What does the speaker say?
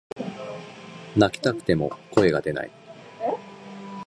泣きたくても声が出ない